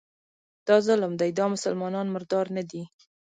دا ظلم دی، دا مسلمانان مردار نه دي